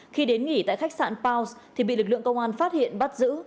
khi đến nghỉ tại khách sạn paos thì bị lực lượng công an phát hiện bắt giữ